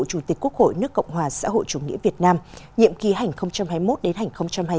chủ tịch quốc hội nước cộng hòa xã hội chủ nghĩa việt nam nhiệm ký hành hai mươi một đến hành hai mươi năm